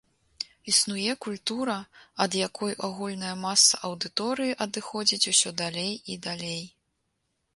Існуе культура, ад якой агульная маса аўдыторыі адыходзіць усё далей і далей.